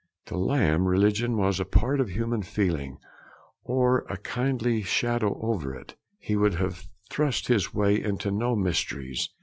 To Lamb religion was a part of human feeling, or a kindly shadow over it. He would have thrust his way into no mysteries.